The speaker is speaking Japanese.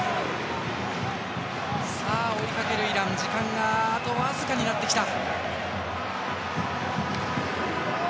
追いかけるイラン時間があと僅かになってきた。